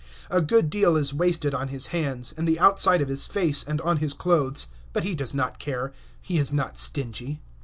A good deal is wasted on his hands, and the outside of his face, and on his clothes, but he does not care; he is not stingy.